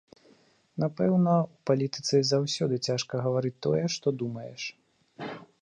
Напэўна, у палітыцы заўсёды цяжка гаворыць тое, што думаеш.